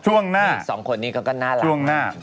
ช่วงหน้าสองคนนี้คอยก็น่ารักมาก